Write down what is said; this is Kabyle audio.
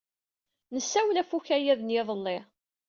Nessawel ɣef ukayad n yiḍelli.